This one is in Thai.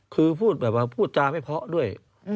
คือพูดจาไม่เพราะด้วย